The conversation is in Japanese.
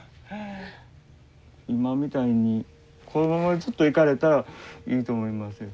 今みたいにこのままずっといかれたらいいと思いますよ。